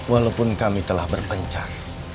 walaupun kami telah berpencar